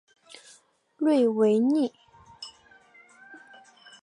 瑞维涅。